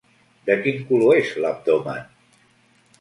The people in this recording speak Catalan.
De quin color és l'abdomen?